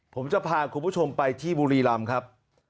ผมจะพาคุณผู้ชมไปที่บุรีรำครับ